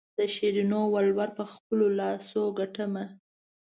د شیرینو ولور په خپلو لاسو ګټمه.